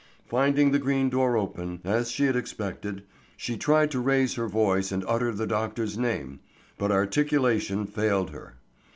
Finding the green door open, as she had expected, she tried to raise her voice and utter the doctor's name, but articulation failed her.